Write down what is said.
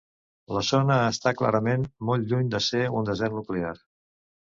La zona està clarament molt lluny de ser un desert nuclear.